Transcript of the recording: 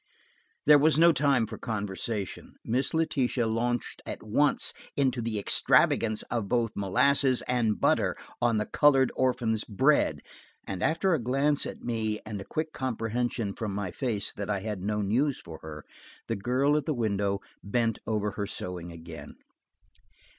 There was no time for conversation. Miss Letitia launched at once into the extravagance of both molasses and butter on the colored orphans' bread and after a glance at me, and a quick comprehension from my face that I had no news for her, the girl at the window bent over her sewing again.